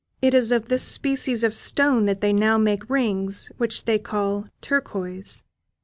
It is of this species of stone that they now make rings, which they call turquoise.